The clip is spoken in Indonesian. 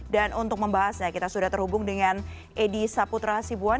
dan untuk membahasnya kita sudah terhubung dengan edi saputra sibuan